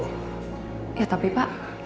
tapi saya enggak keganggu kok